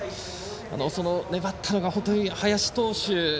その粘ったのが林投手。